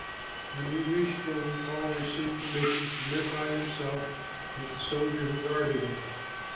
When we reached Rome, Paul received permission to live by himself with the soldier who guarded him.